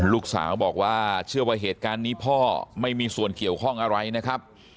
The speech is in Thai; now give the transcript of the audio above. ลูกสาวบอกว่าเชื่อว่าเหตุการณ์นี้พ่อไม่มีส่วนเกี่ยวข้องอะไรนะครับ